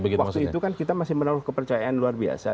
waktu itu kan kita masih menaruh kepercayaan luar biasa